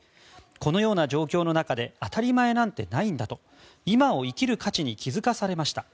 このような状況の中で当たり前なんてないんだと今を生きる価値に気づかされました。